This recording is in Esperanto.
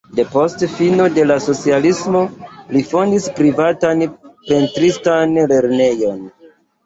Depost fino de la socialismo li fondis privatan pentristan lernejon.